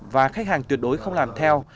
và khách hàng tuyệt đối không làm theo